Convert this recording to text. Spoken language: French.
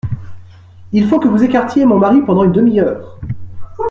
Il faut que vous écartiez mon mari pendant une demi-heure.